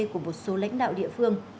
của một số lãnh đạo địa phương